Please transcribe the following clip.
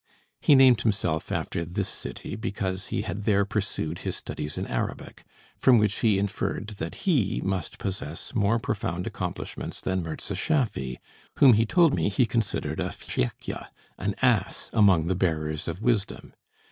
He named himself after this city, because he had there pursued his studies in Arabic; from which he inferred that he must possess more profound accomplishments than Mirza Schaffy, whom he told me he considered a "Fschekj," an ass among the bearers of wisdom.